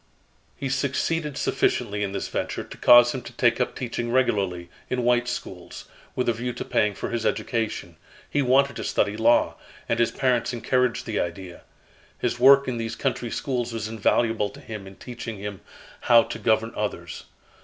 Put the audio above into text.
He succeeded sufficiently in this venture, to cause him to take up teaching regularly, in white schools, with a view to paying for his education. He wanted to study law, and his parents encouraged the idea. His work in these country schools was invaluable to him in teaching him how to govern others.